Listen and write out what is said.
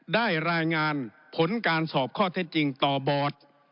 ได้รายงานผลการสอบข้อเท็จจริงต่อบอร์ด